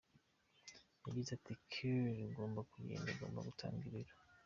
Yagize ati "Kiir agomba kugenda, agomba gutanga ibiro.